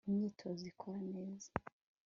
Imyitozo ikora neza